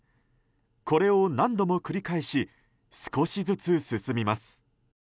これを何度も繰り返し少しずつ進みます。